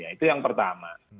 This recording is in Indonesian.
ya itu yang pertama